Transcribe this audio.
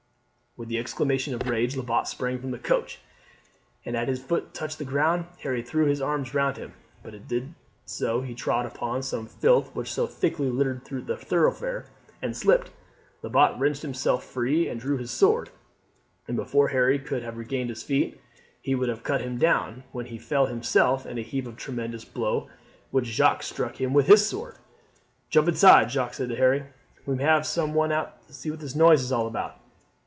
With an exclamation of rage Lebat sprang from the coach, and as his foot touched the ground Harry threw his arms round him; but as he did so he trod upon some of the filth which so thickly littered the thoroughfare, and slipped. Lebat wrenched himself free and drew his sword, and before Harry could have regained his feet he would have cut him down, when he fell himself in a heap from a tremendous blow which Jacques struck him with his sword. "Jump inside," Jacques said to Harry. "We may have some one out to see what the noise is about.